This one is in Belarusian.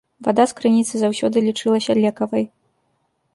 Вада з крыніцы заўсёды лічылася лекавай.